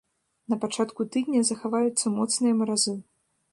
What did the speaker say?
На пачатку тыдня захаваюцца моцныя маразы.